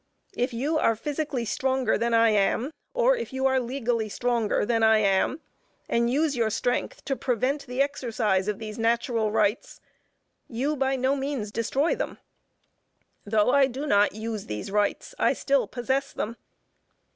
If you are physically stronger than I am, or if you are legally stronger than I am and use your strength to prevent the exercise of these natural rights, you by no means destroy them. Though I do not use these rights, I still possess them.